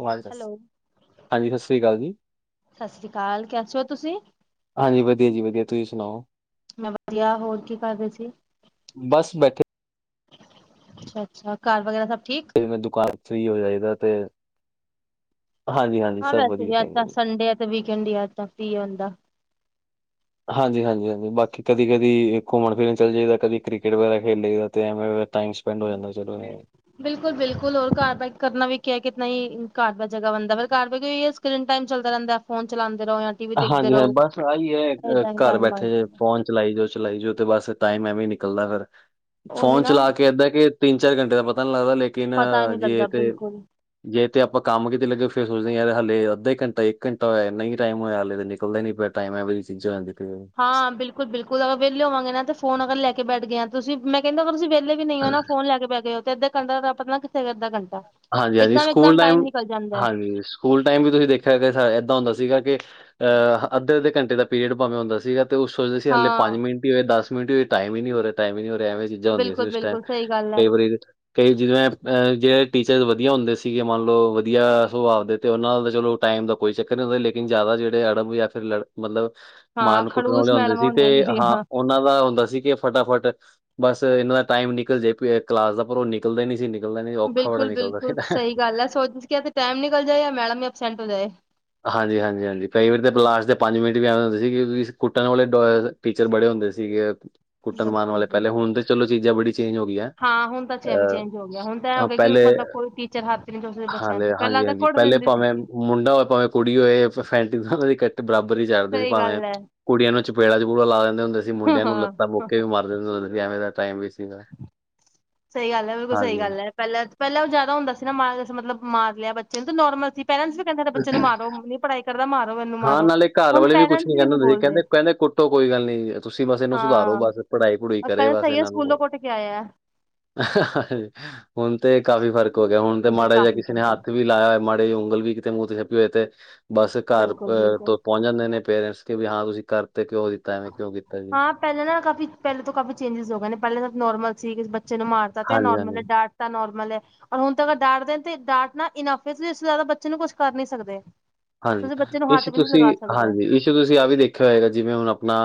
Mobile ਦੱਸ hello ਹਾਂਜੀ ਈ ਸ਼ਸ਼ੀ ਕਾਲ ਜੀ ਈ ਸਤਿ ਸ੍ਰੀ ਅਕਾਲ ਕੈਸੇ ਹੋ ਤੁਸੀਂ ਹਾਂਜੀ ਈ ਵਧੀਆ ਜੀ ਵਧੀਆ ਤੁਹੀ ਸੁਣਾਓ ਮੈਂ ਵਧੀਆ ਹੋਰ ਕੀ ਕਰ ਰੇ ਸੀ ਬਸ ਬੈਠੇ ਏ ਅੱਛਾ ਆ ਅੱਛਾ ਆ ਘਰ ਵਗੈਰਾ ਸਭ ਠੀਕ ਈ ਜਿਵੇ ਦੁਕਾਨ ਫ੍ਰੀ ਹੋ ਜਾਏ ਦਾ ਤੇ ਹਾਂਜੀ ਈ ਹਾਂਜੀ ਈ ਹਾਂ ਸਭ ਵੈਸੇ ਵਧੀਆ ਵੀ ਅੱਜ ਤਾਂ ਗਾ ਜੀ ਸੰਡੇ ਹੈ ਤੇ ਵੀਕ ਐਂਡ ਤੱਕ ਪੀ ਆਉਦਾ ਹਾਂਜੀ ਈ ਹਾਂਜੀ ਈ ਹਾਂਜੀ ਈ ਬਾਕੀ ਕਦੀ ਕਦੀ ਈ ਘੁੰਮਣ ਫਿਰਨ ਚੱਲ ਜਾਏਦਾ ਕਦੀ ਕ੍ਰਿਕਟ ਵਗੈਰਾ ਖੇਡ ਲਈ ਦਾ ਐਵੇਂ ਟਾਮ ਸਪਿੰਡ ਹੋ ਜਾਂਦਾ ਚਲੋ ਇਹ ਬਿਲਕੁਲ ਬਿਲਕੁਲ ਹੋਰ ਘਰ ਦਾ ਕਰਨਾ ਵੀ ਕੀ ਐ ਨਈ ਕਾਰ ਬਾਰ ਜਗ੍ਹਾ ਬਣਦਾ ਪਰ ਕਾਰ ਕਰੀਨ ਟਾਈਮ ਚਲਦਾ ਰਹਿੰਦਾ ਐ ਫੋਨ ਚਲਾਉਦੇ ਰਹੋ ਜਾਂ ਟੀ ਵੀ ਦੇਖਦੇ ਹਾਂਜੀ ਈ ਹਾਂਜੀ ਈ ਰਹੋ ਬਸ ਆਹੀ ਐ ਏਦਾਂ ਹੀ ਘਰ ਟਾਈਮ ਬੈਠੇ ਬਸ ਏ ਫੋਨ ਚਲਾਈ ਜਾਓ, ਚਲਾਈ ਜਾਓ ਤੇ ਬਸ ਟਾਈਮ ਐਵੇਂ ਨਿਕਲਦਾ ਫਿਰ ਉਹੀ ਫੋਨ ਨਾ ਚਲਾ ਕੇ ਏਦਾਂ ਆ ਕਿ, ਤਿੰਨ-ਚਾਰ ਘੰਟੇ ਦਾ ਪਤਾ ਨਹੀ ਲੱਗਦਾ ਲੇਕਿਨ ਪਤਾ ਨੀ ਲੱਗਦਾ ਜੇ ਤੇ ਬਿਲਕੁਲ ਜੇ ਤੇ ਆਪਾਂ ਕੰਮ ਕਿਤੇ ਲੱਗੇ ਫਿਰ ਸੋਚਦੇ ਹਾਂ। ਯਾਰ ਹਾਲੇ ਅੱਧਾ ਘੰਟਾ ਇੱਕ ਘੰਟਾ ਹੋਇਆ ਇਨਾ ਹੀ ਟਾਈਮ ਹੋਇਆ। ਨਿਕਲਦੇ ਨੀ ਪਿਆ ਟਾਈਮ ਵੀ ਚੀਜ਼ਾਂ ਹਾਂ ਬਿਲਕੁਲ ਬਿਲਕੁਲ ਅਗਰ ਵਿਹਲੇ ਹੋਵਾਂਗੇ ਨਾ ਫੋਨ ਅਗਰ ਲੈ ਬੈਠ ਗਏ ਆ ਤੁਸੀਂ ਮੈਂ ਕਹਨੀ ਅਗਰ ਵਿਹਲੇ ਵੀ ਨਹੀਂ ਉਹ ਨਾ ਫੋਨ ਲੈ ਕੇ ਬੈਹ ਗਏ ਉਹ ਤੇ ਅੱਦੇ ਕੰਟੇ ਦਾ ਪਤਾ ਨੀ ਕਿਥੇ ਗਿਆ ਅੱਦਾ ਆ ਕੇਨਟਾ ਆ ਹਾਂਜੀ ਈ ਹਾਂਜੀ ਈ ਸਕੂਲ ਟਾਈਮ ਹੈ ਹਾਂਜੀ ਈ ਸਕੂਲ ਟਾਈਮ ਵੀ ਤੁਸੀਂ ਦੇਖਿਆ ਐ ਕੇਸਾਂ ਆ ਏਦਾਂ ਹੁੰਦਾ ਸੀਗਾ ਕੇ ਏ ਅਹ ਹਾਂਜੀ। ਅੱਧੇ ਅੱਧੇ ਘੰਟੇ ਦਾ ਆ ਪੀਰੀਅਡ ਭਾਂਵੇ ਹੁੰਦਾ ਸੀ ਤੇ ਉਹ ਸੋਚਦੇ ਸੀ ਹਲੇ ਪੰਜ ਹਾਂ, ਮਿੰਟ ਹੀ ਹੋਏ ਦਸ ਮਿੰਟ ਹੋਏ ਟਾਈਮ ਨੀ ਟਾਈਮ ਹੋ ਰਿਹਾ ਹੀ ਨਹੀਂ ਹੋਹਾ ਐਵੇਂ ਹੀ ਚੀਜਾ ਹੁੰਦੀਆ ਸੀ ਉਸ ਟਾਈਮ ਬਿਲਕੁਲ-ਬਿਲਕੁਲ ਸਹੀ ਗੱਲ ਐ। ਕਈ ਵਾਰੀ ਕਈ ਜਿਵੇ ਐ ਪੇ ਜਿ ਟੀਚਰ ਵਧੀਆ ਹੁੰਦੇ ਸੀਗੇ ਮੰਨ ਲਓ ਵਧੀਆ ਸੁਭਾਵ ਦੇ ਤੇ ਉਹਨਾਂ ਨਾ ਚਲੋ ਟਾਈਮ ਦਾ ਕੋਈ ਚੱਕਰ ਨੰਦੇ ਲੇਕਿਨ ਜ਼ਿਆਦਾ ਜਿਹੜੇ ਅੜਬ ਜਾਂ ਫਿਰ ਲੜ ਮਤਲਬ ਹਾਂ, ਮਾਰਨ ਕੁੱਟਣ ਖੜੂਸ ਵਾਲੇ ਹੁੰਦੇ ਮੈਡਮਾਂ ਸੀ ਹੁੰਦੀਆਂ ਤੇ ਹਾਂ ਜਿਹੜੀਆਂ। ਉਹਨਾਂ ਦਾ ਹੁੰਦਾ ਸੀ ਕੇ ਏ ਫਟਾਫਟ ਬਸ ਇਹਨਾਂ ਦਾ ਟਾਈਮ ਨਿਕਲ ਜੇ ਕਲਾਸ ਦਾ ਪਰ ਉਹ ਨਿਕਲਦਾ ਨੀ ਸੀ ਨਿਕਲਦਾ ਨਹੀਂ ਔਖਾ ਬੜਾ ਬਿਲਕੁਲ ਨਿਕਲਦਾ ਬਿਲਕੁਲ ਸੀ। ਸਹੀ ਗੱਲ ਐ ਸੋਚ ਟਾਈਮ ਨਿਕਲ ਜਾਏ ਜਾਂ ਮੈਡਮ ਵੀ ਅਬਸੈਂਟ ਹੋ ਜਾਏ ਹਾਂਜੀ ਈ ਹਾਂਜੀ ਈ ਹਾਂਜੀ ਕਈ ਵਾਰੀ ਈ ਪਲਾਸ ਦੇ ਪੰਜ ਮਿੰਟ ਵੀ ਆਉਂ ਹੁੰਦੇ ਸੀ ਕਿਂ ਸਕ ਕੁੱਟਣ ਵਾਲੇ ਡੋਏ ਟੀਚਰ ਬੜੇ ਹੁੰਦੇ ਸੀਗੇ ਏ ਕੁੱਟਣ ਮਾਰਣ ਵਾਲੇ ਪਹਿਲੇ ਬਿਲਕੁਲ-ਬਿਲਕੁਲ। ਹੁਣ ਤੇ ਏ ਚੱਲੋ ਚੀਜ਼ਾਂ ਬੜੀ ਚੇਂਜ ਹੋ ਗਿਆਂ ਹਾਂ, ਹੁਣ ਤਾਂ ਚੇ ਅਹ ਚੇਂਜ ਹੋ ਗਿਆ, ਹੁਣ ਤਾਂ ਐ ਹੋ ਹਾ ਗਿਆ ਕਿ ਪਹਿਲੇ ਏ ਮਤਲਬ ਕੋਈ ਟੀਚਰ ਹੱਥ ਨੀ ਚੁੱਕਦੇ ਬੱਚਿਆਂ ਤੇ ਹਾਲੇ ਹਾਂਜੀ ਪਹਿਲਾਂ ਈ ਤਾਂ ਹਾਂਜੀ ਈ ਕੁੱਟ ਪਹਿਲੇ ਦਿੰਦੀ ਸੀ। ਭਾਵੇਂ ਮੁੰਡਾ ਹੋਵੇ ਭਾਵੇਂ ਕੁੜੀ ਹੋਏ ਫੈਂਟੀ ਈ ਉਨਾਂ ਦੀ ਇਕਠ ਬਰਾਬਰ ਈ ਚੜ੍ਹਦੇ ਸੀ ਸਹੀ ਭਾਵੇ ਗੱਲ ਐ, ਕੁੜੀਆਂ ਨੂੰ ਚਪੇੜਾ ਚਪੂੜਾ ਲਾ ਲੈਂਦੇ ਹੁੰਦੇ ਸੀ ਮੁੰਡਿਆਂ ਨੂੰ ਲੱਤਾ ਹਾਂ। ਮੁਕੇ ਵੀ ਮਾਰ ਦੇ ਐਵੇ ਦਾ ਟਾਈਮ ਵੀ ਸੀ ਗਾ ਸਹੀ ਗੱਲ ਐ ਬਿਲਕੁਲ ਸਹੀ ਗੱਲ ਐ ਪਹਿਲਾਂ ਪਹਿਲਾਂ ਉਹ ਜ਼ਿਆਦਾ ਹੁੰਦਾ ਸੀ ਨਾ ਮਾਰ ਮਤਲਬ ਮਾਰਿਆ ਬੱਚੇ ਨੂੰ ਤੇ ਨੋਰਮਲ ਸੀ ਪੇਰੈਂਟਸ ਵੀ ਕਹਿੰਦਾ ਸਾਡੇ ਬੱਚੇ ਨੂੰ ਮਾਰੋ ਓ ਨਹੀ ਪੜ੍ਹਾਈ ਕਰਦਾ ਮਾਰੋ ਓ ਇਹਨੂੰ ਹਾਂ ਮਾਰੋ ਨਾਲੇ ਘਰ ਹੁਣ ਵਾਲੇ ਵੀ ਕੁਛ ਪੇਰੈਂਟਸ ਕਹਿੰਦੇ ਨੀ ਹੁੰਦੇ ਸੀ ਬੋਲਦੇ ਏ ਕਹਿੰਦੇ ਕਹਿੰਦੇ ਕੁੱਟੋ ਕੋਈ ਗੱਲ ਨੀ ਤੁਸੀਂ ਬਸ ਇਹਨੂੰ ਸੁਧਾਰੋ ਬਸ ਪੜ੍ਹਾਈ ਪੜੂਈ ਕਰੇ ਬਸ ਇਹਨਾਂ ਕੂਲੋ ਕੁੱਟ ਕੇ ਆਇਐ। ਹੁਨ ਤੇ ਕਾਫ਼ੀ ਫ਼ਰਕ ਹੋ ਗਿਆ ਹੁਨ ਤੇ ਹੁਣ ਮਾੜਾ ਜਿਆ ਕਾਫੀ ਕਿਸੇ ਨੇ ਫਰਕ ਹੱਥ ਵੀ ਲਾਇਆ ਹੋਏ ਮਾੜਾ ਤੇ ਉਂਗਲ ਵੀ ਕਿਤੇ ਮੂੰਹ ਤੇ ਛਪੀ ਹੋਏ ਤੇ ਬਸ ਘਰ ਬਿਲਕੁਲ ਅ ਬਿਲਕੁਲ ਤੋ ਪੋਂਚ ਜਾਂਦੇ ਨੇ ਪੇਰੈਂਟਸ ਕੀ ਵੀ ਹਾਂ ਤੁਸੀ ਕਰ ਤੇ ਕਿਉਂ ਦਿੱਤਾ ਐਵੇਂ ਕਿਉਂ ਕੀਤਾ ਜੀ? ਪੈਲੇ ਨਾਲ ਕਾਫੀ ਪੈਲੇ ਤੋ ਕਾਫ਼ੀ ਚੇਂਜਿਸ ਹੋ ਗਏ ਨੇ ਪੈਲੇ ਤਾਂ ਨੋਰਮਲ ਸੀ ਬੱਚੇ ਨੂੰ ਮਾਰਤਾ ਤੇ ਐ ਹਾਂਜੀ, ਨੋਰਮਲ ਏ ਹਾਂਜੀ, ਡਾਂਟ ਤਾ ਨੋਰਮਲ ਐ। ਔਰ ਹੁਨ ਤੇ ਅਗਰ ਡਾਂਟਦੇ ਸੀ ਡਾਂਟਨਾ ਇਨਫ ਇਸ ਲੀ ਇਸ ਤੋਂ ਜਆਦਾ ਬੱਚੇ ਨੂੰ ਕੁਛ ਕਰ ਨੀ ਸਕਦੇ। ਹਾਂਜੀ, ਤੁਸੀਂ ਬੱਚੇ ਨੂੰ ਏ ਹੱਥ ਸੀ ਵੀ ਨਹੀਂ ਤੁਸੀ ਲਗਾ ਸਕਦੇ ਹਾਂਜੀ ਇਸ ਤੁਸੀ ਆ ਵੀ ਦੇਖਿਆ ਹੋਏਗਾ ਜਿਵੇਂ ਹੁਨ ਆਪਨਾ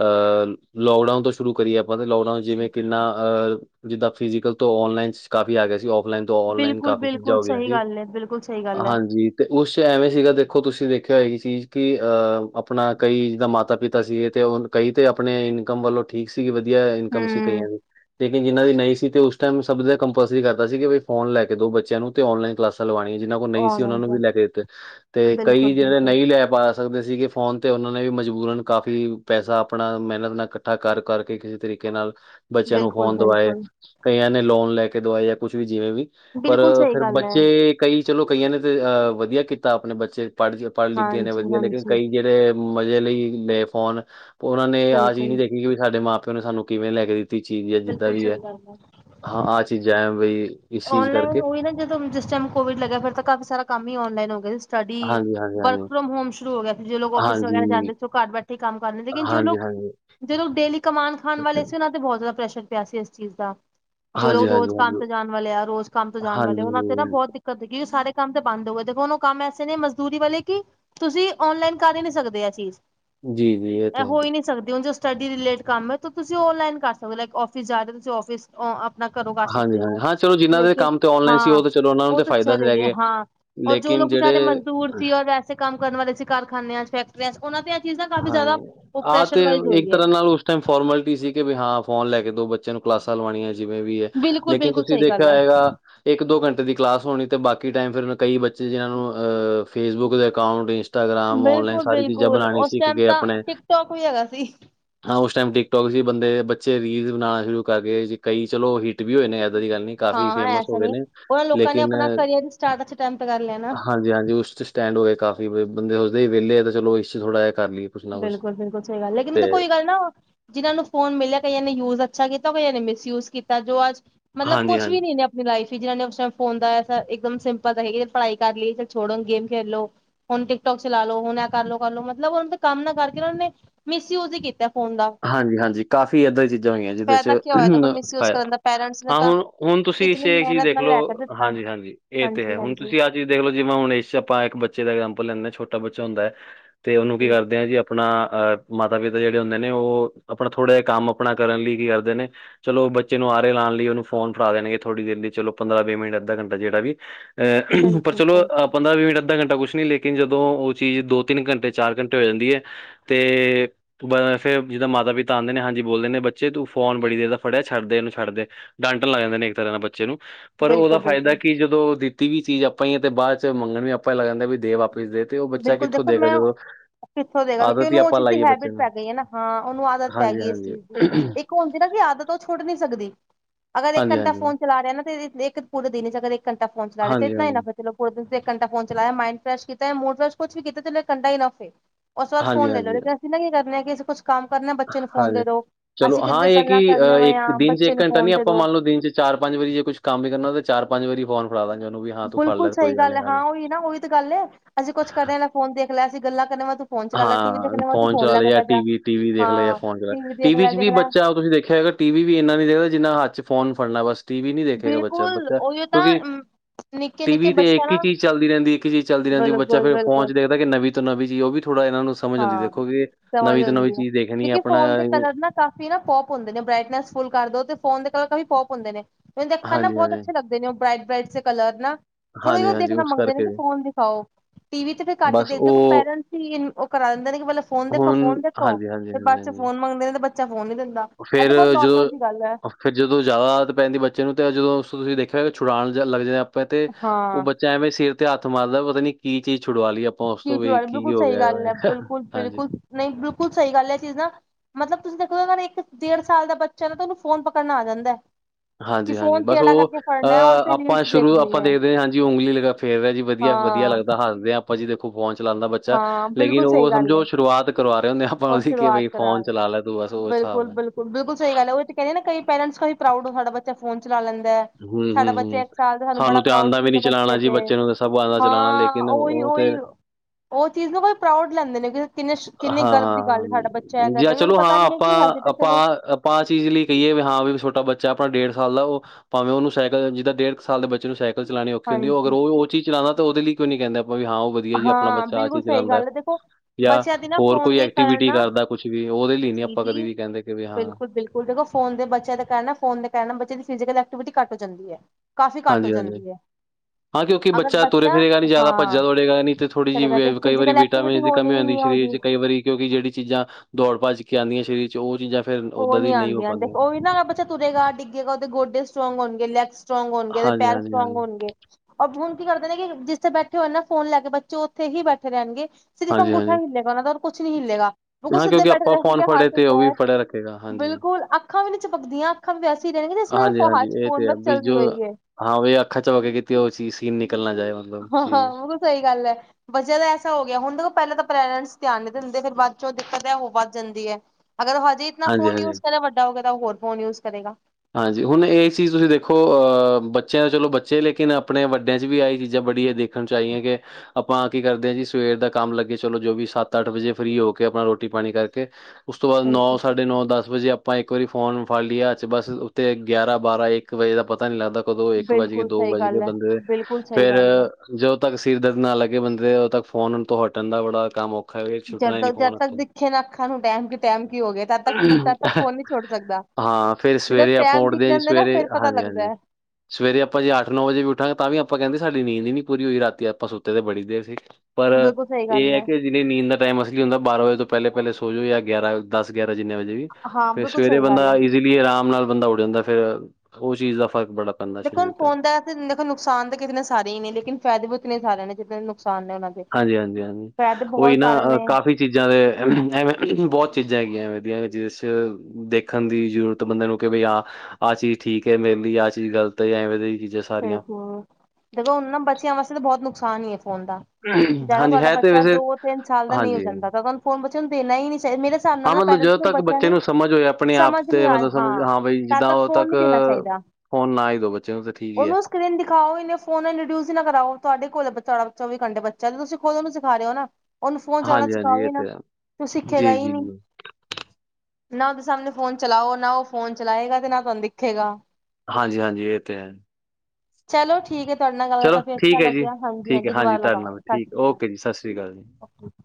ਅ ਲੋਕ ਡਾਊਨ ਤੋ ਸ਼ੁਰੂ ਕਰੀਏ ਆਪਾਂ ਤੇ ਲੋਕ ਜੀ, ਜਿਵੇਂ ਜੀ। ਕਿੰਨਾ ਅ ਜਿੱਦਾਂ ਫਿਜੀਕਲ ਤੋ ਓਨ ਲਾਈਨਸ ਕਾਫੀ ਆ ਗਿਆ ਸੀ ਓਫ ਓਫ ਲਾਈਨ ਤੋ ਔਨਲਾਈਨ ਬਿਲਕੁਲ ਕਾਫੀ ਚੀਜਾਂ ਬਿਲਕੁਲ ਹੋ ਗੀਆਂ ਸਹੀ ਸੀ ਗੱਲ ਹੈ ਬਿਲਕੁਲ ਸਹੀ ਗੱਲ ਹੈ ਹਾਂਜੀ ਤੇ ਉਸ ਚ ਐਵੇਂ ਸੀਗਾ ਦੇਖੋ ਤੁਸੀ ਵੇਖਿਆ ਹੋਏ ਏ ਚੀਜ਼ ਕਿ ਅ ਆਪਣਾ ਕਈ ਤਾਂ ਮਾਤਾ ਪਿਤਾ ਸੀਗੇ ਤੇ ਓ ਕਈ ਤੇ ਆਪਣੇ ਇਨਕਮ ਵੱਲੋਂ ਠੀਕ ਸੀ ਵਧੀਆ ਇਨਕਮ ਸੀ ਹਮ ਕਈਆਂ ਦੀ ਲੇਕਿਨ ਜਿਨਾਂ ਦੀ ਨਈ ਸੀ ਤੇ ਉਸ ਟਾਈਮ ਸਭ ਦੇ ਕੰਪਲਸਰੀ ਕਰਤਾ ਸੀ ਕਿ ਬਈ ਫੋਨ ਲੈ ਕੇ ਦੋ ਬੱਚਿਆਂ ਨੂੰ ਤੇ ਔਨਲਾਈਨ ਕਲਾਸਾਂ ਲਵਾਉਣੀਆ ਜਿਨਾਂ ਕੋਲ ਨਈ ਸੀ ਉਨਾਂ ਨੂੰ ਵੀ ਔ ਲੈ ਕੇ ਦਿੱਤੇ ਤੇ ਬਿਲਕੁਲ ਕਈ ਬਿਲਕੁਲ ਜੇੜੇ ਬਿਲਕੁਲ ਨਈ। ਲੈ ਪਾ ਸਕਦੇ ਸੀਗੇ ਫੋਨ ਤੇ ਓਨਾਂ ਨੇ ਵੀ ਮਜਬੂਰਨ ਕਾਫ਼ੀ ਪੈਸਾ ਆਪਣਾ ਮਿਹਨਤ ਨਾਲ ਕੱਠਾ ਕਰ ਕਰਕੇ ਕਿਸੇ ਤਰੀਕੇ ਨਾਲ ਬੱਚਿਆਂ ਨੂੰ ਫੋਨ ਦਵਾਏ। ਬਿਲਕੁਲ ਕਈਆਂ ਨੇ ਲੋਨ ਲੈ ਕੇ ਦਵਾਏ ਯਾ ਕੁਛ ਵੀ ਜਿਵੇਂ ਵੀ ਪਰ ਬਿਲਕੁਲ ਸਹੀ ਫਿਰ ਗੱਲ ਹੈ ਬੱਚੇ ਕਈ ਚਲੋ ਕਈਆਂ ਨੇ ਤੇ ਅ ਵਧੀਆ ਕੀਤਾ ਆਪਨੇ ਬੱਚੇ ਪੜ੍ਹ ਪੜ੍ਹ ਲਿਖ ਗਏ ਨੇ ਹਾਂਜੀ ਵਧੀਆ ਲੇਕਿਨ ਹਾਂਜੀ ਕਈ ਜੇੜੇ ਮਜੇ ਲਈ ਲਏ ਫੋਨ ਉਨਾਂ ਨੇ ਆ ਚੀਜ ਨੀ ਬਿਲਕੁਲ ਦੇਖੀ ਕੀ ਵੀ ਸਾਡੇ ਮਾਂ ਪਿਓ ਨੇ ਸਾਨੂੰ ਕਿਵੇਂ ਲੈ ਕੇ ਦਿੱਤੀ ਚੀਜ ਯਾ ਜਿੱਦਾਂ ਬਿਲਕੁਲ ਵੀ ਐ। ਸਹੀ ਗੱਲ ਹੈ ਹਾਂ, ਆ ਚੀਜਾਂ ਏ ਬਈ ਇਸ ਚੀਜ਼ ਔਨਲਾਈਨ ਕਰਕੇ ਓਈ ਨਾ ਜਦੋ, ਜਿਸ ਟੈਮ ਕੋਵਿਡ ਲਗਿਆ ਫਿਰ ਤਾ ਕਾਫੀ ਸਾਰਾ ਕੰਮ ਈ ਔਨਲਾਈਨ ਹੋ ਗਿਆ ਸੀ ਸਟੱਡੀ ਹਾਂਜੀ ਹਾਂਜੀ ਵਰਕ ਹਾਂਜੀ ਫਰੋਮ ਹੋਮ ਸ਼ੁਰੂ ਹੋ ਗਿਆ ਸੀ ਜੋ ਲੋਕ ਆਫਿਸ ਹਾਂਜੀ ਵਗੈਰਾ ਜਾਂਦੇ ਸੀ ਓ ਘਰ ਬੈਠੇ ਕੰਮ ਕਰ ਲੈਂਦੇ ਸੀ ਲੇਕਿਨ ਜੋ ਹਾਂਜੀ ਹਾਂਜੀ ਲੋਕ, ਹਾਂਜੀ ਜੋ ਲੋਕ ਡੇਲੀ ਕਮਾਣ ਖਾਣ ਵਾਲੇ ਸੀ ਉਨਾ ਤੇ ਬੌਤ ਜ਼ਿਆਦਾ ਪ੍ਰੈਸ਼ਰ ਪਿਆ ਸੀ ਇਸ ਚੀਜ ਦਾ ਜੋ ਲੋਕ ਹਾਂਜੀ ਰੋਜ ਕੰਮ ਤੇ ਜਾਣ ਵਾਲੇ ਆ ਰੋਜ਼ ਕੰਮ ਤੇ ਜਾਣ ਹਾਂਜੀ ਵਾਲੇ ਓਨਾਂ ਤੇ ਨਾ ਹਾਂਜੀ ਬੌਤ ਈ ਤਦਕੀ ਓ ਸਾਰੇ ਕੰਮ ਤੇ ਬੰਦ ਹੋਗੇ ਜਦੋ ਉਨੂੰ ਕੰਮ ਐਸੇ ਨੇ ਮਜ਼ਦੂਰੀ ਵਾਲੇ ਕਿ ਤੁਸੀ ਓਨਲਾਈਨ ਕਰ ਈ ਨੀ ਸਕਦੇ ਐ ਚੀਜ ਜੀ ਜੀ ਇਹ ਐ ਤੇ ਹੈ ਹੋ ਈ ਨੀ ਸਕਦੀ ਉਂਜ ਸਟੱਡੀ ਰਿਲੇਟ ਕੰਮ ਏ ਤਾ ਤੁਸੀ ਔਨਲਾਈਨ ਕਰ ਸਕਦੇ ਔਫਿਸ ਜਾ ਕੇ ਤੁਸੀ ਔਫਿਸ ਓਂ ਆਪਨਾ ਘਰੋਂ ਕਰ ਹਾਂਜੀ ਸਕਦੇ ਓ ਹਾਂਜੀ ਹਾਂ ਚਲੋ ਜਿਨਾਂ ਦੇ ਲੇਕਿਨ ਕੰਮ ਤੇ ਔਨਲਾਈਨ ਸੀ ਹਾਂ ਉਹ ਤਾਂ ਚਲੋ ਉਹਨਾਂ ਨੂੰ ਓ ਤਾਂ ਤੇ ਫਾਇਦਾ ਚਲੇ ਰਹਿ ਗਏ, ਗਿਆ ਹਾਂ। ਔਰ ਜੋ ਲੇਕਿਨ ਲੋਕ ਵਿਚਾਰੇ ਜਿਹੜੇ ਮਜਦੂਰ ਸੀ ਔਰ ਵੈਸੇ ਕੰਮ ਕਰਨ ਵਾਲੇ ਸੀ ਕਾਰਖਾਨਿਆਂ ਚ ਫ ਵੈਸੇ ਓਨਾ ਦੀਆ ਐ ਚੀਜ਼ਾਂ ਕਾਫੀ ਜਆਦਾ ਹਾਂਜੀ ਆਹ ਤੇ ਪ੍ਰੈਸ਼ਰ ਵਾਈਜ਼ ਹੋ ਇੱਕ ਗੀਆ। ਤਰ੍ਹਾਂ ਨਾਲ ਉਸ ਟੈਮ ਫੋਰਮਲਿਟੀ ਸੀ ਕਿ ਵੀ ਹਾਂ ਫੋਨ ਲੈ ਕੇ ਦੋ ਬੱਚਿਆਂ ਨੂੰ ਕਲਾਸਾਂ ਲਵਾਣੀਆਂ ਜਿਵੇਂ ਵੀ ਐ ਬਿਲਕੁਲ ਲੇਕਿਨ ਬਿਲਕੁਲ ਤੁਸੀ ਸਹੀ ਗੱਲ ਦੇਖਿਆ ਹੈ ਹੋਏਗਾ ਇੱਕ ਦੋ ਘੰਟੇ ਦੀ ਕਲਾਸ ਹੋਣੀ ਤੇ ਬਾਕੀ ਟੈਮ ਫੇਰ ਕਈ ਬੱਚੇ ਜਿਨ੍ਹਾਂ ਨੂੰ ਫੇਸਬੁੱਕ ਦੇ ਅਕਾਊਂਟ ਇੰਸਟ ਇੰਸਾਗ੍ਰਾਮ ਔਨਲਾਈਨ ਬਿਲਕੁਲ ਸਾਰੀ ਚੀਜਾਂ ਬਿਲਕੁਲ ਬਣਾਣੀ ਉਸ ਸੀ ਟਾਈਮ ਤਾਂ ਟਿਕ ਟੋਕ ਵੀ ਹੇਗਾ ਸੀ। ਹਾਂ ਉਸ ਟੈਮ ਟਿਕ ਟੋਕ ਸੀ ਬੰਦੇ, ਬੱਚੇ ਰੀਲਸ ਬਣਾਨਾ ਸ਼ੁਰੂ ਕਰ ਗੇ ਸੀ ਕਈ ਚਲੋ ਹਿੱਟ ਵੀ ਹੋਏ ਨੇ ਏਦਾਂ ਦੀ ਗੱਲ ਨੀ ਹਾਂ ਕਾਫ਼ੀ ਹਾਂ ਫੇਮਸ ਹੋ ਐਸਾ ਗੇ ਨਹੀਂ ਨੇ ਉਹਨਾਂ ਲੋਕਾਂ ਨੇ ਲੇਕਿਨ ਆਪਣਾ ਕਰੀਅਰ ਸਟਾਰਟ ਅੱਛੇ ਟਾਈਮ ਤੇ ਕਰ ਲਿਆ ਨਾ ਹਾਂਜੀ -ਹਾਂਜੀ ਉਸ ਚ ਸਟੈਂਡ ਹੋਏ ਕਾਫ਼ੀ ਬੰਦੇ ਸੋਚਦੇ ਸੀ ਵੇਲੇ ਆ ਤਾ ਚਲੋ ਇਸ ਚ ਥੋੜ੍ਹਾ ਜਿਆ ਕਰ ਲੀਏ। ਬਿਲਕੁਲ- ਬਿਲਕੁਲ ਸਈ ਗੱਲ ਲੇਕਿਨ ਤੇ ਕੋਈ ਗੱਲ ਨਾ ਜਿਨਾਂ ਨੂੰ ਫੋਨ ਮਿਲਿਆ ਕਈਆਂ ਨੇ ਯੂਜ ਅੱਛਾ ਕੀਤਾ ਕਈਆਂ ਨੇ ਮਿਸਯੂਜ ਕੀਤਾ ਜੋ ਅੱਜ ਮਲਬ ਹਾਂਜੀ, ਕੁਛ ਵੀ ਹਾਂਜੀ। ਨਈ ਨੇ ਅਪ ਨੀ ਲਾਈਫ ਈ ਜਿਨਾਂ ਨੇਂ ਉਸ ਟਾਈਮ ਫੋਨ ਦਾ ਐਸਾ ਏਕਦਮ ਸਿੰਪਲ ਤਾਂ ਹੇਗੀ ਚੱਲ ਪੜ੍ਹਾਈ ਕਰ ਲੀ ਚੱਲ ਛੋੜੋ ਗੇਮ ਖੇਲ ਲੋ। ਹੁਨ ਟਿਕਟੋਕ ਚਲਾ ਲੋ ਹੁਨ ਐ ਕਰਲੋ, ਕਰਲੋ ਮਤਲਬ ਓਨ ਦੇ ਕੰਮ ਨਾ ਕਰਕੇ ਉਨਾਂ ਨੇ ਮਿਸਯੂਜ ਈ ਕੀਤੈ। ਔਂਦਾ ਹਾਂਜੀ-ਹਾਂਜੀ ਕਾਫੀ ਐਦਾਂ ਦੀ ਚੀਜ਼ਾਂ ਹੋਈਆਂ, ਜਿਹਦੇ 'ਚ ਕੀ ਹੋਇਆ ਦੇਖੋ ਮਿਸਯੂਜ ਫੈ ਕਰਨ ਦਾ ਪੈਰੈਂਟਸ ਨੇ ਹਾਂ ਤਾਂ ਹੁਣ ਹੁਣ ਤੁਸੀਂ ਇਸ ਇਤਨੀ ਐਹ ਚੀਜ਼ ਮਿਹਨਤ ਦੇਖ ਨਾਲ ਲੋ, ਲੈ ਕੇ ਦਿੱਤਾ ਹਾਂਜੀ-ਹਾਂਜੀ ਇਹ ਤੇ ਹੈ ਹੁਣ ਹਾਂਜੀ-ਹਾਂਜੀ ਤੁਸੀਂ ਅੱਜ ਜੀ ਦੇਖਲੋ ਜਿਵੇਂ ਹੁਣ ਇਸ 'ਚ ਆਪਾਂ ਇੱਕ ਬੱਚੇ ਦਾ ਐਗਜਾਮਪਲ ਲੈਂਦੇ ਆਂ, ਛੋਟਾ ਬੱਚਾ ਹੁੰਦਾ ਹੈ ਤੇ ਉਹਨੂੰ ਕੀ ਜੀ ਕਰਦੇ ਆਂ ਜੀ ਆ ਆਪਣਾ ਅਹ, ਮਾਤਾ-ਪਿਤਾ ਜੇੜੇ ਹੁੰਦੇ ਨੇ ਉਹ ਆਪਣਾ ਥੋੜ੍ਹਾ ਜਿਹਾ ਕੰਮ ਆਪਣਾ ਕਰਨ ਲਈ ਕੀ ਕਰਦੇ ਨੇ ਚਲੋ ਬੱਚੇ ਨੂੰ ਆਰੇ ਲਾਉਣ ਲਈ ਉਹਨੂੰ ਫੋਨ ਫੜਾ ਦੇਣਗੇ ਥੋੜੀ ਦੇਰ ਲਈ ਚਲੋ ਪੰਦਰਾਂ ਵੀਹ ਮਿੰਟ ਅੱਧਾ ਘੰਟਾ ਜੇੜਾ ਵੀ ਅ ਪਰ ਬਿਲਕੁਲ-ਬਿਲਕੁਲ, ਚਲੋ, ਬਿਲਕੁਲ-ਬਿਲਕੁਲ, ਪੰਦਰਾਂ ਵੀਹ ਮਿੰਟ ਅੱਧਾ ਘੰਟਾ ਕੁਛ ਨੀ ਲੇ ਲੇਕਿਨ ਜਦੋਂ ਉਹ ਚੀਜ਼ ਦੋ ਤਿੰਨ ਘੰਟੇ, ਚਾਰ ਘੰਟੇ ਹੋ ਜਾਂਦੀ ਐ, ਤੇ ਬ ਫਿਰ ਜਿੱਦਾ ਮਾਤਾ-ਪਿਤਾ ਆਂਦੇ ਨੇ, ਹਾਂਜੀ ਬੋਲਦੇ ਨੇ ਬੱਚੇ ਤੂੰ ਫੋਨ ਬੜੀ ਦੇਰ ਦਾ ਫੜਿਆ, ਛੱਡਦੇ ਇਹਨੂੰ ਛੱਡਦੇ। ਡਾਂਟਣ ਲੱਗ ਜਾਂਦੇ ਨੇ, ਇੱਕ ਤਰ੍ਹਾਂ ਨਾਲ ਬੱਚੇ ਨੂੰ ਪਰ ਉਹਦਾ ਬਿਲਕੁਲ ਬਿਲਕੁਲ ਫੈਦਾ ਬਿਲਕੁਲ। ਕਿ ਜਦੋਂ ਦਿੱਤੀ ਵੀ ਚੀਜ਼ ਆਪਾਂ ਹੀ ਆ ਤੇ ਬਾਅਦ 'ਚ ਮੰਗਣ ਵੀ ਆਪਾਂ ਹੀ ਲੱਗ ਜਾਂਦਾ ਵੀ ਦੇ ਵਾਪਿਸ ਦੇ। ਤੇ ਉਹ ਬੱਚਾ ਬਿਲਕੁਲ ਕਿੱਥੋਂ ਦੇਖੋ ਦੇਗਾ ਮੈਂ, ਜਦੋਂ ਕਿੱਥੋਂ ਦੇਦਾਂਗੀ ਕਿਉਂਕਿ ਆਦਤ ਹੀ ਉਹਨੂੰ ਉਹ ਆਪਾਂ ਚੀਜ਼ ਦੀ ਲਾਈਏ ਬੱਚੇ ਹੈਬਿਟ ਨੂੰ ਪੈ ਗਈ ਹੈ ਨਾ। ਹਾਂ ਉਹਨੂੰ ਆਦਤ ਪੈ ਹਾਂਜੀ ਗਈ ਇਸ ਹਾਂਜੀ ਚੀਜ਼ ਦੀ, ਇੱਕ ਇਕ ਹੁੰਦੀ ਨਾ, ਕਿ ਆਦਤ ਉਹ ਛੁੱਟ ਨੀਂ ਸਕਦੀ। ਅਗਰ ਇੱਕ ਹਾਂਜੀ ਹਾਂਜੀ ਘੰਟਾ ਫੋਨ ਚਲਾ ਰਿਹਾ ਨਾ ਤੇ ਇੱਕ ਪੂਰੇ ਦਿਨ 'ਚ ਅਗਰ ਇੱਕ ਘੰਟਾ ਫੋਨ ਚਲਾ ਰਿਹਾ ਤੇ ਹਾਂਜੀ ਹਾਂਜੀ ਇਤਨਾ ਹੀ ਨਫ਼ਾ ਚਲੋ ਪੂਰਾ ਇੱਕ ਘੰਟ ਫੋਨ ਚਲਾਇਆ ਮਾਈੰਡ ਫਰੈਸ਼ ਕੀਤਾ ਜਾਂ ਮੂਡ ਬਸ ਕੁੱਛ ਵੀ ਕੀਤਾ ਘੰਟਾ ਹੀ ਇਨਫ ਏ, ਉਸ ਤੋਂ ਬਾਅਦ ਹਾਂਜੀ ਫੋਨ ਲੈ ਲਓ, ਹਾਂਜੀ ਨਹੀਂ ਕਰਨੇ ਆ ਕਿ ਅਸੀ ਕੁੱਛ ਕੰਮ ਕਰਨਾ ਬੱਚੇ ਨੂੰ ਫੋਨ ਹਾਂਜੀ ਦੇ ਦੋ, ਚਲੋ ਅਸੀਂ ਹਾਂ ਕਿਤੇ ਇਹ ਕਿ ਗੱਲਾਂ ਕਰਨੀਆਂ ਅ, ਹੋਏ ਆ ਇੱਕ ਦਿਨ ਚ ਬੱਚੇ ਇੱਕ ਨੂੰ ਘੰਟਾ ਨੀ ਫੋਨ ਦੇ ਆਪਾਂ ਦੋ ਮੰਨ ਲਓ ਦਿਨ ਚ ਚਾਰ- ਪੰਜ ਵਾਰੀ ਜੇ ਕੁਛ ਕੰਮ ਵੀ ਕਰਨਾ, ਤਾਂ ਚਾਰ- ਪੰਜ ਵਾਰੀ ਫੋਨ ਫਲਾਣਾ ਜਨ ਹੋ ਗਿਆ ਬਿਲਕੁਲ ਸਹੀ ਗੱਲ ਹੈ, ਹਾਂ ਉਹੀ ਨਾ ਉਹੀ ਤਾਂ ਗੱਲ ਐ, ਅਸੀਂ ਕੁਛ ਕਰਿਆ ਨਾ ਫੋਨ ਦੇਖ ਲੈ, ਅਸੀਂ ਗੱਲਾਂ ਕਰੇ ਵ ਹਾਂ ਫੋਨ ਚਲਾ ਲਏ ਜਾਂ ਟੀ ਵੀ, ਟੀਵੀ ਦੇਖ ਆ ਹਾਂ ਫੋਨ ਚਲਾ, ਟੀਵੀ ਟੀ ਦੇਖ ਵੀ ਲੈ 'ਚ ਦੇਖ ਵੀ ਲੈ ਬੱਚਾ ਤੁਸੀਂ ਦੇਖਿਆ ਹੈਗਾ ਟੀ ਵੀ ਐਨਾ ਨਹੀਂ ਦੇਖਦਾ, ਜਿੰਨਾ ਹੱਥ 'ਚ ਫੋਨ ਫੜਨਾ ਬਸ ਟੀ ਵੀ ਨੀ ਦੇਖੇਗਾ ਬੱਚਾ, ਬਿਲਕੁਲ ਬੱਚਾ ਉਹੀਓ ਤਾਂ ਕਿਉਂਕਿ ਅਮ, ਨਿੱਕੇ ਟੀ ਨਿੱਕੇ ਵੀ ਤੇ ਬੱਚਾ ਇੱਕ ਨਾ ਹੀ ਚੀਜ਼ ਚੱਲਦੀ ਰਹਿੰਦੀ ਟੀ ਵੀ'ਚ ਚੱਲਦੀ ਰਹਿੰਦੀ, ਬੱਚਾ ਬਿਲਕੁਲ ਫੇਰ ਫੋਨ ਬਿਲਕੁਲ 'ਚ ਦੇਖਦਾ ਨਵੀਂ ਤੋਂ ਨਵੀਂ ਚੀਜ਼ ਉਹ ਵੀ ਥੋੜਾ ਇਹਨਾਂ ਨੂੰ ਸਮਝ ਆਉਂਦੀ ਹਾਂ ਦੇਖੋ ਕਿ, ਸਮਝ ਨਵੀਂ ਤੇ ਨਵੀਂ ਆਉਂਦੀ ਆ ਚੀਜ਼ ਦੇਖਣੀ ਐ ਕਿਉਂਕਿ ਆਪਣਾ ਫੋਨ ਦੇ ਕਲਰ ਨਾ ਕਾਫੀ ਨਾ ਪੋਪ ਹੁੰਦੇ ਨੇ, ਬ੍ਰਾਈਟਨੈਸ ਫੁਲ ਕਰ ਦੋ, ਤੇ ਫੋਨ ਦੇ ਕ ਕਾਫੀ ਪੋਪ ਹੁੰਦੇ ਨੇ। ਦੇਖਾਂ ਨਾ ਹਾਂਜੀ। ਬਹੁਤ ਅੱਛੇ ਲੱਗਦੇ ਨੇ, ਉਹ ਬ੍ਰਾਈਟ, ਬਰਾਈਟਸ ਕਲਰ ਨਾ ਥੋੜਾ ਜਾ ਹਾਂਜੀ, ਉਹ ਹਾਂਜੀ ਦੇਖਣਾ ਉਸ ਮੰਗਦੇ ਨੇ ਕਰਕੇ ਕਿ ਫੋਨ ਦਿਖਾਓ, ਟੀ ਵੀ ਤੇ ਘੱਟ ਹੀ ਬਸ ਦੇਖਦੇ, ਉਹ ਪੇਰੈਂਟਸ ਹੀ ਓ ਫੜਾ ਦਿੰਦੇ ਨੇ ਕਿ ਪਹਿਲੇ ਫੋਨ ਦੇਖੋ, ਹੁਣ ਫੋਨ ਦੇਖੋ, ਹਾਂਜੀ, ਹਾਂਜੀ, ਤੇ ਹਾਂਜੀ, ਬਾਅਦ 'ਚ ਹਾਂਜੀ। ਫੋਨ ਮੰਗਦੇ ਨੇ ਤੇ ਬੱਚਾ ਫੋਨ ਨੀ ਦਿੰਦਾ। ਐਹ ਫਿਰ ਤੇ ਬਹੁਤ ਨੋਰਮਲ ਜਿਹੀ ਗੱਲ ਐ। ਜਦੋਂ ਫਿਰ ਜਦੋਂ ਜ਼ਿਆਦਾ ਆਦਤ ਪੈਂਦੀ ਬੱਚੇ ਨੂੰ ਤੇ ਜਦੋਂ ਉਸ ਤੁਸੀਂ ਦੇਖਿਆ ਹੋ ਛੁਡਾਨ ਲੱਗਦੇ ਆਪਾਂ ਤੇ, ਉਹ ਹਾਂ ਬੱਚੇ ਐਵੇੈਂ ਸਿਰ ਤੇ ਹੱਥ ਮਾਰਦਾ, ਪਤਾ ਨੀ ਕੀ ਚੀਜ਼ ਛੁਡਵਾ ਲਈ ਆਪ ਕਿਉਂ ਛੁਡਵਾਈ? ਬਿਲਕੁਲ ਸਹੀ ਗੱਲ ਐ, ਹਾਂਜੀ। ਬਿਲਕੁਲ-ਬਿਲਕੁਲ ਨਹੀਂ ਬਿਲਕੁਲ ਸਹੀ ਗੱਲ ਐ, ਇਹ ਚੀਜ਼ ਨਾ ਮਤਲਬ ਤੁਸੀਂ ਦੇਖੋ ਅਗਰ ਇੱਕ ਡੇਢ ਸਾਲ ਦਾ ਬੱਚਾ ਨਾ, ਉਹਨੂੰ ਫੋਨ ਪਕੜਨਾ ਆ ਜਾਂਦਾ। ਕਿ ਹਾਂਜੀ-ਹਾਂਜੀ ਫੋਨ ਬਸ ਟੇਢਾ ਓ- ਕਰਕੇ ਫੜਨਾ ਹੈ ਔਰ ਅਹ, ਤੇ ਆਪਾਂ ਰੀਲਸ ਸ਼ੁਰੂ ਦੇਖਣੀ ਆਪਾਂ ਹੈ ਦੇਖਦੇ ਆਂ, ਹਾਂਜੀ ਉਂਗਲੀ ਲਗਾ ਫੇਰ ਰਿਹਾ ਜੀ ਵਧੀਆ-ਵਧੀਆ ਹਾਂ ਲੱਗਦਾ ਹੱਸਦੇ ਆਂ ਆਪਾਂ ਭਾਜੀ ਜੀ ਦੇਖੋ ਫੋਨ ਚਲਾਉਂਦਾ ਬੱਚਾ, ਹਾਂ ਲੇਕਿਨ ਬਿਲਕੁਲ ਸਹੀ ਉਹ ਗੱਲ ਸਮਝੋ ਹੈ ਸ਼ੁਰੂਆਤ ਕਰਵਾ ਰਹੇ ਹੁੰਦੇ ਆ ਉਹ ਸ਼ੁਰੂਆਤ ਕਰਾ, ਹਿਸਾਬ ਹੈ। ਬਿਲਕੁਲ-ਬਿਲਕੁਲ- ਬਿਲਕੁਲ ਸਹੀ ਗੱਲ ਐ ਉਹੀ ਤੇ ਕਹਿੰਦੇ ਨੇ ਕਈ ਪੇਰੈਂਟਸ ਪ੍ਰਾਊਡ ਹੋਉ ਸਾਡਾ ਬੱ ਬਚਾ ਫੋਨ ਚਲਾ ਲੈਂਦਾ, ਹੂੰ, ਸਾਡਾ ਹੂੰ, ਬੱਚਾ ਹੂੰ ਇੱਕ ਸਾਲ ਤੇ ਸਾਨੂੰ ਬੜਾ ਪ੍ਰੋਆਊਡ ਆਉਂਦਾ ਵੀ ਫੀਲ ਨੀ ਐ ਬੱਚੇ ਚਲਾਉਣਾ ਜੀ ਤੇ। ਨੂੰ ਤਾਂ ਸਭ ਆਉਂਦਾ ਚਲਾਉਣਾ ਹਾਂ ਲੇਕਿਨ ਉਹ ਤੇ ਉਹੀ-ਉਹੀ, ਉਹ ਚੀਜ਼ ਨੂੰ ਕੋਈ ਪ੍ਰਾਊਡ ਲੈਂਦੇ ਨੇ ਹਾਂ, ਕਿੰਨੇ-ਕਿੰਨੇ ਗਰਭ ਦੀ ਗੱਲ, ਸਾਡਾ ਬੱਚਾ ਐਂ ਹਾਂ ਜਾਂ ਕਰਦਾ, ਉਹਨਾਂ ਨੂੰ ਚਲੋ ਹਾਂ ਪਤਾ ਨੀ ਐ ਆਪਾਂ ਕੀ ਹਜੇ ਤਾਂ ਆਪਾਂ ਚਲੋ ਆਪਾਂ ਚੀਜ਼ ਲਈ ਕਹੀਏ, ਵੀ ਹਾਂ ਵੀ ਛੋਟਾ ਬੱਚਾ ਆਪਣਾ ਡੇਢ ਸਾਲ ਦਾ ਓ ਭਾਵੇਂ ਉਹਨੂੰ ਸਾਇਕਲ, ਜਿੱਦਾਂ ਡੇਢ ਕ ਸਾਲ ਦੇ ਬੱਚੇ ਨੂੰ ਸਾਈਕਲ ਸਾਈਕਲ ਚਲਾਉਣੀ ਔਖੀ ਹੁੰਦੀ, ਉਹ ਅਗਰ ਹਾਂਜੀ ਉਹ ਚੀਜ਼ ਚਲਾਉਂਦਾ ਉਹਦੇ ਲਈ ਕਿਉਂ ਨੀ ਕੈੰਦੇ ਵੀ ਹਾਂ ਜੀ ਆਪਣਾ ਹਾਂ ਬੱਚਾ ਆਹ ਬਿਲਕੁਲ ਚੀਜ਼ ਸਹੀ ਚਲਉਂਦਾ, ਗੱਲ ਹੈ ਦੇਖੋ ਜਾਂ, ਬੱਚਿਆਂ ਦੀ ਨਾ ਹੋਰ ਫੋਨ ਕੋਈ ਦੇ ਕਾਰਨ ਐਕਟੀਵਿਟੀ ਨਾ ਕਰਦਾ ਕੁਛ ਵੀ ਉਹਦੇ ਲਈ ਨੀ ਜੀ ਆਪਾਂ ਕਦੇ ਜੀ ਵੀ ਕਹਿੰਦੇ ਕਿ ਵੀ ਹਾਂ ਬਿਲਕੁਲ ਬਿਲਕੁਲ ਦੇਖੋ ਫੋਨ ਦੇ ਬੱਚਿਆਂ ਦੇ ਕਾਰਨ ਫੋਨ ਦੇ ਕਾਰਨ ਨਾ ਬੱਚਿਆਂ ਦੀ ਫਿਜੀਕਲ ਘੱਟ ਹੋ ਜਾਂਦੀ ਏ ਕਾਫ਼ੀ ਘੱਟ ਹੋ ਹਾਂਜੀ, ਹਾਂਜੀ। ਜਾਂਦੀ ਏ ਹਾਂ ਕਿਉਂਕਿ ਬੱਚਾ ਤੁਰੇ ਫਿਰੇਗਾ ਨੀ, ਜ਼ਿਆਦਾ ਹਾਂ ਭੱਜਾ ਦੌੜੇਗਾ ਨੀ, ਤੇ ਥੋੜ੍ਹੀ ਕਰੇਗਾ ਤੇ ਜੀ ਕਈ ਵਾਰੀ ਫਿਜ਼ਕਲ ਐਕਟੀਵਿਟੀ ਵਿਟਾਮਿਨ ਦੀ ਹੋਣੀ ਕਮੀ ਹੀ ਆਉਂਦੀ ਨੀ ਹੈ ਸਰੀਰ ਉਹਦੀ ਚ ਕਈ ਵਾਰੀ ਕਿਉਂ ਕਿਹੜੀ ਚੀਜਾਂ, ਦੌੜ ਭੱਜ ਕੇ ਆਉਂਦੀਆ ਸਰੀਰ ਉਹ ਚੀਜ਼ਾਂ ਫਿਰ ਓਦਾਂ ਦੀ ਨਹੀਂ ਹੋ ਪਾਉਂਦੀਆਂ ਕੋਈ ਨਾ ਬੱਚਾ ਤੁਰੇਗਾ ਡਿੱਗੇਗਾ ਉਹਦੇ ਗੋਡੇ ਸਟਰੋਂਗ ਹੋਣਗੇ ਲੈੱਗ ਸਟਰੋਂਗ ਹੋਣਗੇਦੇ ਹਾਂਜੀ, ਪੈਰ ਹਾਂਜੀ, ਸਟਰੋਂਗ ਹਾਂਜੀ। ਹੋਣਗੇ ਹੁਣ ਕੀ ਕਰਦੇ ਨੇ ਕਿ ਜਿੱਥੇ ਬੈਠੇ ਹੋਏ ਨਾ ਫੋਨ ਲੈ ਕੇ ਬੱਚੇ ਉੱਥੇ ਹੀ ਬੈਠੇ ਰਹਿਣਗੇ ਸਿਰਫ਼ ਹਾਂਜੀ, ਹਾਂਜੀ। ਅਗੁਠਾ ਹਿਲੇਗਾ ਉਹਨਾਂ ਦਾ ਹੋਰ ਕੁਛ ਨੀ ਹਿਲੇਗਾ ਉਹ ਸਿੱਧੇ ਬੈਠੇ ਰਹਿਣ ਹਥ ਪੈਰ ਸਿਦਾ ਰੱਖੇ ਗਾ ਬਿਲਕੁਲ ਅੱਖਾਂ ਵੀ ਨੀ ਚਪਕਦੀਆਂ ਅੱਖਾਂ ਵੀ ਵੈਸੇ ਹੀ ਰਹਿਣਗੀਆ ਜਿਸ ਤਰਾਂ ਫੋਨ ਹਥ ਬਸ ਚਲਦੀ ਹੋਈ ਏ ਉਹ ਅੱਖਾਂ ਚੱਪਕ ਕੇ ਕੀਤੀ ਉਹ ਸੀਨ ਨਿਕਲਣਾ ਨਾ ਜਾਏ ਮਤਲਬ ਹਾ- ਹਾ ਚੀਜ਼, ਮਗਰ ਸਹੀ ਗੱਲ ਆ ਵਜਾ ਦਾ ਐਸਾ ਹੋ ਗਿਆ ਹੁਣ ਦੇਖੋ ਪਹਿਲਾਂ ਤਾਂ ਪੇਰੈਂਟਸ ਧਿਆਨ ਨੀ ਦਿੰਦੇ ਫਿਰ ਬਾਅਦ ਚੋਂ ਦਿੱਕਤ ਏ ਉਹ ਵੱਧ ਜਾਂਦੀ ਏ ਅਗਰ ਉਹ ਹਜੇ ਇਤਨਾ ਹਾਂਜੀ, ਫੋਨ ਹਾਂਜੀ। ਯੂਜ ਕਰੇ ਵੱਡਾ ਹੋ ਗਿਆ ਤਾਂ ਉਹ ਹੋਰ ਫੋਨ ਯੂਜ ਕਰੇਗਾ ਹਾਂਜੀ ਹੁਣ ਇਹ ਚੀਜ਼ ਤੁਸੀਂ ਦੇਖੋ ਅਹ ਬੱਚਿਆਂ ਚਲੋ ਬੱਚੇ ਲੇਕੀਨ ਆਪਣੇ ਵਡਿਆ ਚ ਵੀ ਆਹੀ ਚੀਜਾਂ ਬੜੀਆ ਦੇਖ ਹੁਣ ਚਾਹੀਏ ਕੀ ਆਪਾਂ ਕੀ ਕਰਦੇ ਜੀ ਸਵੇਰ ਦਾ ਕੰਮ ਲੱਗੇ ਚਲੋ ਜੋ ਵੀ ਸੱਤ ਅੱਠ ਵਜੇ ਫਰੀ ਹੋ ਕੇ ਆਪਣਾ ਰੋਟੀ ਪਾਣੀ ਕਰਕੇ ਉਸ ਤੋਂ ਬਾਅਦ ਨੋ ਬਿਲਕੁਲ ਸਾਡੇ ਨੋ ਦਸ ਵਜੇ ਆਪਾਂ ਇਕ ਵਾਰੀ ਫੋਨ ਫੜ ਲਈਏ ਹੱਥ ਵਿਚ ਬਸ ਉਥੇ ਗਿਆਰਾਂ ਬਾਰਾਂ ਇਕ ਵਜੇ ਦਾ ਪਤਾ ਨੀ ਲੱਗਦਾ ਕਦੋਂ ਇਕ ਵਜ ਗਏ ਬਿਲਕੁਲ ਦੋ ਸਹੀ ਗਏ ਗੱਲ ਹੈ, ਬੰਦੇ, ਬਿਲਕੁਲ ਸਹੀ ਫਿਰ ਗੱਲ ਹੈ। ਜਦੋਂ ਤੱਕ ਸਿਰ ਦਰਦ ਨਾ ਲੱਗੇ ਬੰਦੇ ਉਦੋਂ ਤੱਕ ਫੋਨ ਤੋਂ ਹੱਟਣ ਦਾ ਬੜਾ ਕੰਮ ਔਖਾ ਹੈ ਛੁੱਟਣਾ ਹੀ ਨਹੀਂ ਜਦ ਫ਼ੋਨ ਤੱਕ ਹੱਥੋਂ। ਦਿਖੇ ਨਾ ਅੱਖਾਂ ਨੂੰ ਟਾਈਮ ਕਿ ਟਾਈਮ ਕੀ ਹੋ ਗਏ ਤਦ ਤੱਕ ਤਦ ਤੱਕ ਫੋਨ ਨਹੀਂ ਛੋਡ ਸਕਦਾ ਹਾਂ ਫੇਰ ਜਦੋਂ ਸਵੇਰੇ ਆਪਾਂ ਟੈਮ ਦਿਖ ਉੱਠਦੇ ਹਾਂ ਜੀ ਜਾਂਦਾ ਨਾ ਸਵੇਰੇ ਫੇਰ ਪਤਾ ਹਾਂਜੀ- ਲੱਗਦਾ ਹਾਂਜੀ ਹੈ, ਸਵੇਰੇ ਆਪਾਂ ਜੇ ਅੱਠ ਨੌ ਵਜੇ ਵੀ ਉਠਾਂਗੇ ਤਾਂ ਵੀ ਆਪਾ ਕਹਿੰਦੇ ਸਾਡੀ ਨੀਂਦ ਹੀ ਨੀ ਪੂਰੀ ਹੋਈ ਰਾਤੀ ਆਪਾਂ ਸੁੱਤੇ ਤੇ ਬੜੀ ਦੇਰ ਸੀ ਪਰ, ਬਿਲਕੁਲ ਸਹੀ ਇਹ ਗੱਲ ਹੈ ਕਿ ਜਿਨੀ ਨੀਂਦ ਦਾ ਟਾਈਮ ਅਸਲੀ ਬਾਰਾਂ ਵਜੇ ਤੋਂ ਪਹਿਲੇ- ਪਹਿਲੇ ਸੋ ਜੋ ਜਾਂ ਗਿਆਾਂਰਾ ਦਸ, ਗਿਆਰਾਂ ਜਿਨੇ ਵਜੇ ਹਾਂ ਫਿਰ, ਬਿਲਕੁਲ ਸਵੇਰੇ ਸਹੀ ਗੱਲ ਬੰਦਾ ਹੈ। ਈਜ਼ੀਲੀ ਆਰਾਮ ਨਾਲ ਬੰਦਾ ਜਾਂਦਾ ਉਹ ਚੀਜ਼ ਦਾ ਫ਼ਰਕ ਬੜਾ ਪੈਂਦਾ ਦੇਖੋ ਸਰੀਰ ਤੇ ਫੋਨ ਦਾ ਦੇਖੋ ਨੁਕਸਾਨ ਤਾਂ ਕਿੰਨ ਸਾਰੇ ਹੀ ਲੇਕਿਨ ਫਾਇਦੇ ਵੀ ਕਿੰਨੇ ਸਾਰੇ ਨੇ ਜਿਨੇ ਨੁਕਸਾਨ ਨੇ ਉਹਨਾਂ ਦੇ ਹਾਂਜੀ-ਹਾਂਜੀ- ਹਾਂਜੀ, ਫਾਇਦੇ ਉਹੀ ਬਹੁਤ ਨਾ ਸਾਰੇ ਅ ਨੇ ਕਾਫ਼ੀ ਚੀਜ਼ਾਂ ਦੇ ਐਵੇਂ ਬਹੁਤ ਚੀਜ਼ਾਂ ਹੈਗੀਆਂ ਵਧੀਆ- ਵਧੀਆ ਜਿਸ 'ਚ ਦੇਖਣ ਦੀ ਜ਼ਰੂਰਤ ਬੰਦੇ ਨੂੰ ਕੀ ਬਈ ਆ ਆਹ ਚੀਜ਼ ਠੀਕ ਏ ਮੇਰੇ ਲਈ ਆ ਚੀਜ਼ ਗਲਤ ਏ ਐਵੇ ਚੀਜ਼ ਹੂੰ, ਦੇਖੋ ਹੁਣ ਨਾ ਬੱਚਿਆਂ ਵਾਸਤੇ ਤਾਂ ਬਹੁਤ ਨੁਕਸਾਨ ਹੀ ਫੋਨ ਦਾ ਜਦ ਹਾਂਜੀ ਤੁਹਾਡਾ ਹੈ ਤੇ ਬੱਚਾ ਵੈਸੇ ਦੋ ਤਿੰਨ ਸਾਲ ਦਾ ਨਹੀ ਹੋ ਹਾਂਜੀ ਜਾਦਾਂ ਤਾ ਤੁਹਾਨੂੰ ਫੋਨ ਬੱਚੇ ਨੂੰ ਦੇਣਾ ਹੀ ਨਹੀ ਚਾਹੀਦਾ ਮੇਰੇ ਹਿਸਾਬ ਨਾਲ ਹਾਂ ਨਾ ਮਤਲਬ ਪੇਰੈਂਟਸ ਜਦੋਂ ਨੂੰ ਤੱਕ ਬੱਚਿਆਂ ਬੱਚੇ ਨੂੰ ਸਮਝ ਹੋਏ ਆਪਣੇ ਆਪ ਸਮਝ ਤੇ ਨਹੀਂ ਆ ਮਤਲਬ ਸਮਝ ਹਾਂ ਬਈ ਤਦ ਜਿੱਦਾਂ ਉਦੋਂ ਫੋਨ ਤੱਕ ਨਹੀਂ ਦੇਣਾ ਚਾਹੀਦਾ ਫੋਨ ਨਾ ਹੀ ਦੋ ਬੱਚੇ ਨੂੰ ਤਾਂ ਠੀਕ ਹੀ ਹੈ ਉਹਨੂੰ ਸਕਰੀਨ ਦਿਖਾਓ ਇਨਾ ਫੋਨ ਇੰਡਿਊਸ ਨਾ ਕਰਾਓ ਤੁਹਾਡੇ ਕੋਲਾ ਚੌਵੀ ਘੰਟੇ ਬੱਚਾ ਤੁਸੀ ਖੁਦ ਉਨੂੰ ਸਖਾ ਰਹੇ ਹੋ ਨਾ ਫੋਨ ਚਲਾਉਣਾ ਹਾਂਜੀ ਹਾਂਜੀ ਸਿਖਾਉ ਇਹ ਨਾ, ਹੈ ਤੇ ਉਹ ਸਿੱਖੇ ਜੀ ਗਈ ਜੀ ਨੀ ਜੀ ਨਾ ਉਹਦੇ ਸਾਹਮਣੇ ਫੋਨ ਚਲਾਓ ਨਾ ਉਹ ਫੋਨ ਚਲਾਏਗਾ ਤੇ ਨਾ ਤੁਹਾਨੂੰ ਦਿਖੇਗਾ ਹਾਂਜੀ- ਹਾਂਜੀ ਇਹ ਤੇ ਹੈ ਚਲੋ ਠੀਕ ਏ ਤੁਹਾਡੇ ਨਾਲ ਗਲ ਕਰਕੇ ਚਲੋ ਕਾਫੀ ਅੱਛਾ ਠੀਕ ਹੈ ਜੀ ਲੱਗਿਆ ਹਾਂਜੀ- ਠੀਕ ਹੈ ਹਾਂਜੀ ਦੁਬਾਰਾ ਤੁਹਾਡੇ ਨਾਲ ਲਗਾਵਾਂਗੇ ਸਤਿ ਠੀਕ ਸ਼੍ਰੀ ਅਕਾਲ, ਓਕੇ ਜੀ ਸਤਿ ਸ਼੍ਰੀ ਅਕਾਲ ਜੀ ਓਕੇ